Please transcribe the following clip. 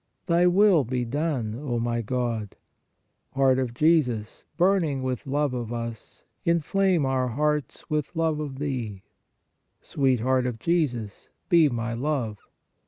Thy will be done, O my God. Heart of Jesus, burning with love of us, inflame our hearts with love of Thee. Sweet Heart of Jesus, be my love.